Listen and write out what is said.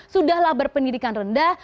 sudahlah berpendidikan rendah